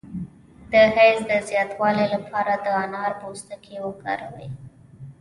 د حیض د زیاتوالي لپاره د انار پوستکی وکاروئ